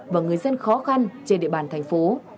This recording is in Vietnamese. và người dân khó khăn trên địa bàn thành phố